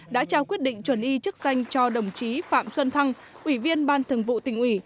đã trao quyết định chuẩn y chức danh cho đồng chí phạm xuân thăng ủy viên ban thường vụ tỉnh ủy